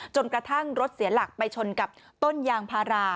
จนกระทั่งรถเสียหลักไปชนกับต้นยางพารา